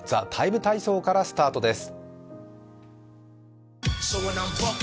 「ＴＨＥＴＩＭＥ，体操」からスタートです